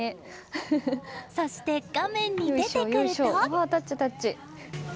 そして、画面に出てくると。